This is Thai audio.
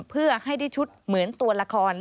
เพื่อให้ได้ชุดเหมือนตัวละคร